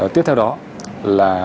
tiếp theo đó là